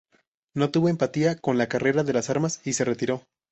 No tuvo empatía con la carrera de las armas y se retiró.